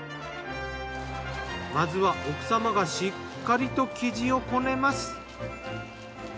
まずは奥様がしっかりと生地をこねます。